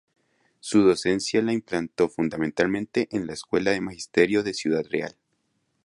Su docencia la impartió fundamentalmente en la Escuela de Magisterio de Ciudad Real.